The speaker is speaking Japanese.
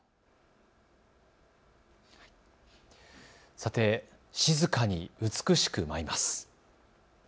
さて静かに美しく舞います。